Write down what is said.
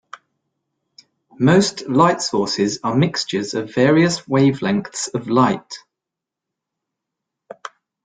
Most light sources are mixtures of various wavelengths of light.